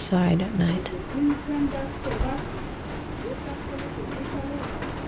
د ګرګين ټنډه تروه شوه، بېرته خپلې کوټې ته لاړ.